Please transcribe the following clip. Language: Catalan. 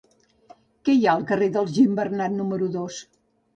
Què hi ha al carrer dels Gimbernat número dos?